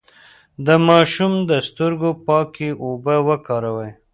د ماشوم د سترګو پاکې اوبه وکاروئ.